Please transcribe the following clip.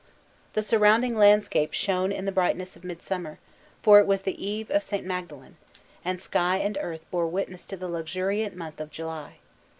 The surrounding landscape shone in the brightness of midsummer; for it was the eve of St. Magdalen; and sky and earth bore witness to the luxuriant month of July.